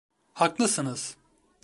Haklısınız.